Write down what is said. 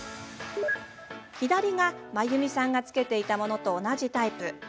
左が真由美さんが着けていたものと同じタイプ。